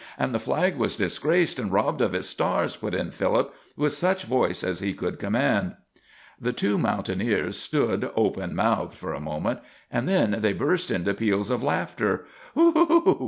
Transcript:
"And the flag was disgraced and robbed of its stars," put in Philip, with such voice as he could command. The two mountaineers stood open mouthed for a moment, and then they burst into peals of laughter. "Whoop!"